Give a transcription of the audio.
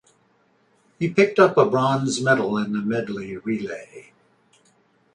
He picked up a bronze medal in the medley relay.